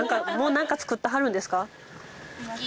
もう何か作ってはるんですか？